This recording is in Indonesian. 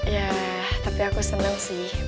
ya tapi aku senang sih